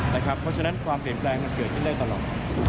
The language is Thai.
เพราะฉะนั้นความเปลี่ยนแปลงมันเกิดขึ้นได้ตลอด